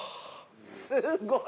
すごい。